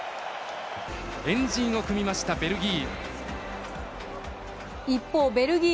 円陣を組みましたベルギー。